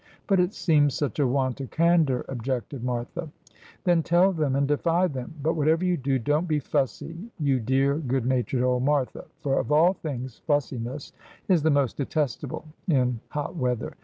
' But it seems such a want of candour,' objected Martha. ' Then tell them, and defy them. But whatever you do, don't be fussy, you dear good natured old Martha ; for of all things fussiness is the most detestable in hot weather.